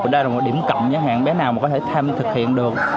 đây là một điểm cộng giới hạn bé nào mà có thể tham thực hiện được